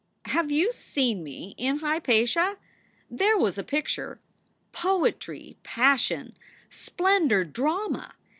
"Have you seen me as Hypatia ? There was a picture! Poetry, passion, splendor, drama.